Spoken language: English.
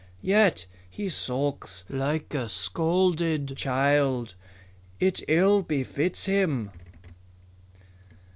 Yet he sulks like a scolded child. It ill befits him."